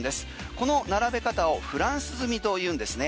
この並べ方をフランス積みというんですね。